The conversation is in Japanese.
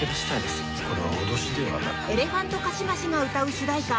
エレファントカシマシの歌う主題歌